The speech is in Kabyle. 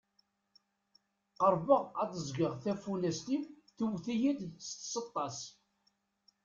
Qerbeɣ ad d-ẓgeɣ tafunast-iw tewwet-iyi-d s tseṭṭa-s.